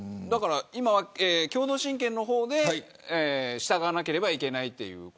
共同親権の方で従わなければいけない。